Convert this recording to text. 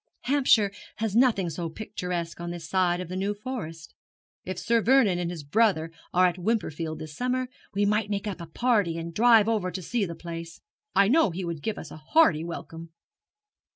Hampshire has nothing so picturesque on this side of the New Forest. If Sir Vernon and his brother are at Wimperfield this summer, we might make up a party and drive over to see the place. I know he would give us a hearty welcome.'